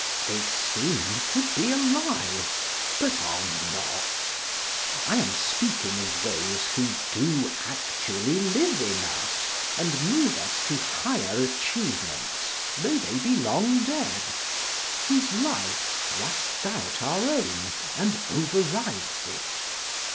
They seem to be alive, but are not. I am speaking of those who do actually live in us, and move us to higher achievements though they be long dead, whose life thrusts out our own and overrides it.